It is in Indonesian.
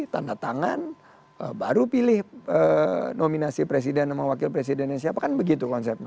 tanda tangan baru pilih nominasi presiden sama wakil presidennya siapa kan begitu konsepnya